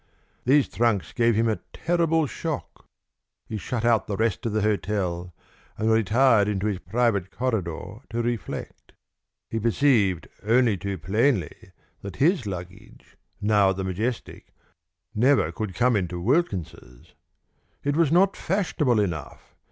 These trunks gave him a terrible shock. He shut out the rest of the hotel and retired into his private corridor to reflect. He perceived only too plainly that his luggage, now at the Majestic, never could come into Wilkins's. It was not fashionable enough.